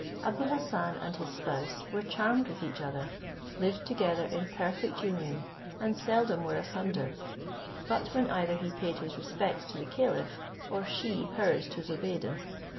Abou Hassan and his spouse were charmed with each other, lived together in perfect union, and seldom were asunder, but when either he paid his respects to the caliph, or she hers to Zobeide.